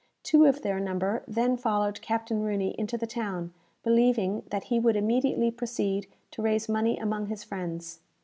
Two of their number then followed Captain Rooney into the town, believing that he would immediately proceed to raise money among his friends.